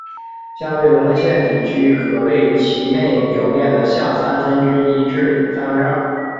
下位笼的腺体区可位于其内表面的下三分之一至三分之二。